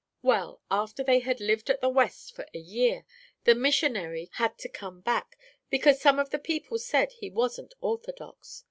"Well, after they had lived at the West for a year, the missionary had to come back, because some of the people said he wasn't orthodox.